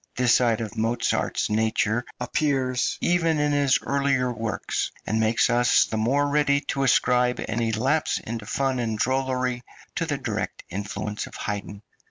This side of Mozart's nature appears even in his earlier works, and makes us the more ready to ascribe any lapse into fun and drollery to the direct influence of Haydn.